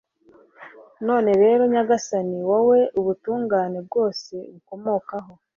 none rero, nyagasani, wowe ubutungane bwose bukomokaho